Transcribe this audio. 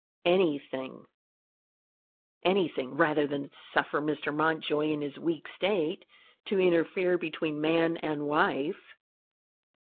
"Anything anything rather than suffer Mr. Mountjoy, in his weak state, to interfere between man and wife."